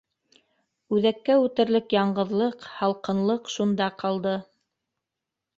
Үҙәккә үтерлек яңғыҙлыҡ, һалҡынлыҡ шунда ҡалды.